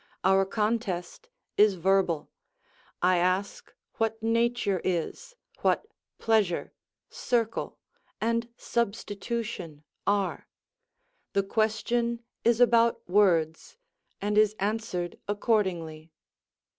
Our contest is verbal: I ask what nature is, what pleasure, circle, and substitution are? the question is about words, and is answered accordingly.